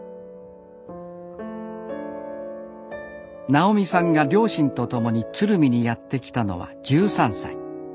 直美さんが両親と共に鶴見にやって来たのは１３歳。